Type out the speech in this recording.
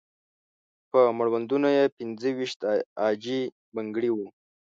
په مړوندونو یې پنځه ويشت عاجي بنګړي وو.